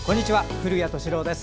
古谷敏郎です。